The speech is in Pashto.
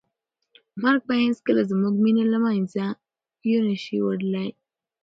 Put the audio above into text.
مرګ به هیڅکله زموږ مینه له منځه یو نه شي وړی.